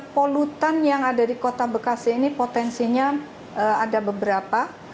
polutan yang ada di kota bekasi ini potensinya ada beberapa